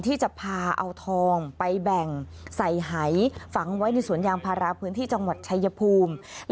ที่จะพาเอาทองไปแบ่งใส่หายฝังไว้ในสวนยางพาราพื้นที่จังหวัดชายภูมิ